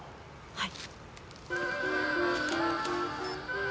はい。